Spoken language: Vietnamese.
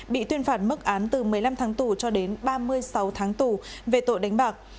bị tuyên phạt mức án từ một mươi năm tháng tù cho đến ba mươi sáu tháng tù về tội đánh bạc